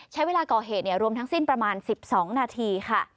ใช้เวลาก่อเหตุรวมทั้งสิ้นประมาณ๑๒นาทีค่ะ